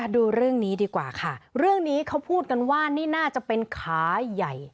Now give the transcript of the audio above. ดูเรื่องนี้ดีกว่าค่ะเรื่องนี้เขาพูดกันว่านี่น่าจะเป็นขาใหญ่